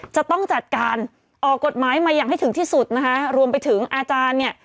จะต้องจัดการออกกฎหมายมาอย่างให้ถึงที่สุดนะคะรวมไปถึงอาจารย์เนี่ย